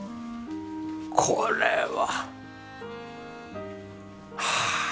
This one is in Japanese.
これは！はあ。